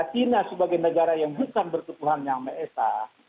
china sebagai negara yang bukan bertukuhan yang ma'esah